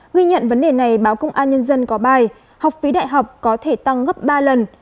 ghi nhận vấn đề này báo công an nhân dân có bài học phí đại học có thể tăng gấp ba lần